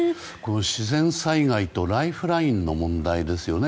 自然災害とライフラインの問題ですよね。